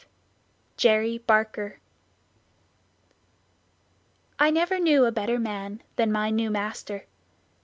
35 Jerry Barker I never knew a better man than my new master.